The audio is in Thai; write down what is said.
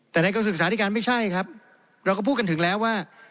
แต่ในกระทรวงศึกษาธิการไม่ใช่ครับเราก็พูดกันถึงแล้วว่า